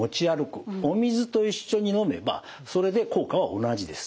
お水と一緒に飲めばそれで効果は同じです。